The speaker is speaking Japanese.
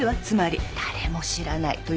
つまり誰も知らない。